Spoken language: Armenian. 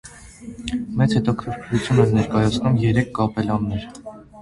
Մեծ հետաքրքրություն են ներկայացնում երեք կապելլաներ։